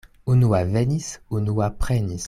Unua venis, unua prenis.